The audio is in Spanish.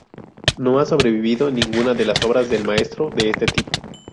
No ha sobrevivido ninguna de las obras del maestro de este tipo.